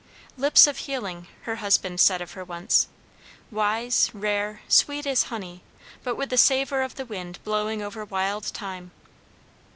"Lips of healing," her husband said of her once; "wise, rare; sweet as honey, but with the savour of the wind blowing over wild thyme."